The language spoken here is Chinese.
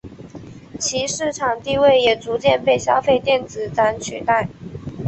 其市场地位也逐渐被消费电子展取代。